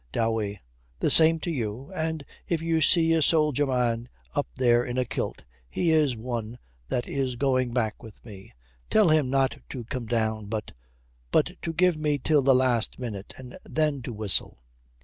DOWEY. 'The same to you. And if you see a sodger man up there in a kilt, he is one that is going back with me. Tell him not to come down, but but to give me till the last minute, and then to whistle.'